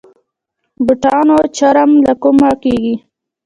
د بوټانو چرم له کومه کیږي؟